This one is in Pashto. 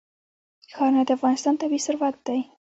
ښارونه د افغانستان طبعي ثروت دی.